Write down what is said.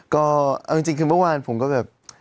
ก็เอาจริงคือเมื่อวานผมก็แบบ